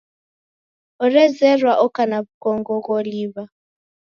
Orezerwa oka na w'ukongo gholiw'a?